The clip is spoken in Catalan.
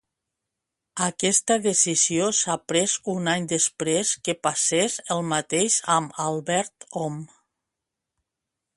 Aquesta decisió s'ha pres un any després que passés el mateix amb Albert Om.